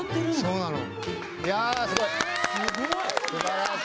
そうなの。